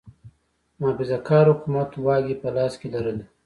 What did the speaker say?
محافظه کار حکومت واګې په لاس کې لرلې.